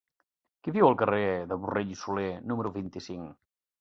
Qui viu al carrer de Borrell i Soler número vint-i-cinc?